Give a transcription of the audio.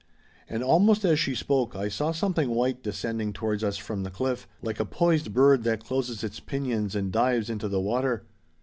And almost as she spoke I saw something white descending towards us from the cliff, like a poised bird that closes its pinions and dives into the water.